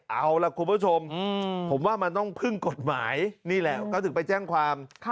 เอาล่ะคุณผู้ชมผมว่ามันต้องพึ่งกฎหมายนี่แหละเขาถึงไปแจ้งความ